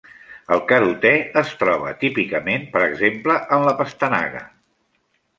El carotè es troba típicament, per exemple, en la pastanaga.